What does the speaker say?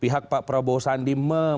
pihak pak prabowo sandi